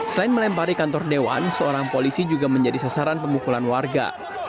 selain melempari kantor dewan seorang polisi juga menjadi sasaran pemukulan warga